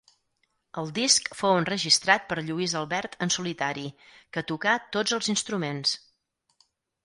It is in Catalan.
El disc fou enregistrat per Lluís Albert en solitari, que tocà tots els instruments.